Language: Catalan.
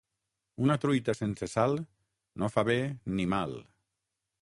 Una truita sense sal no fa bé ni mal.